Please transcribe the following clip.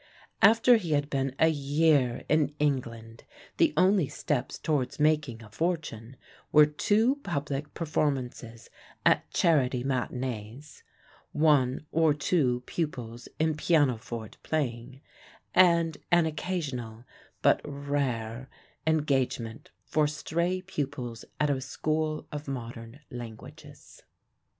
After he had been a year in England the only steps towards making a fortune were two public performances at charity matinees, one or two pupils in pianoforte playing, and an occasional but rare engagement for stray pupils at a school of modern languages.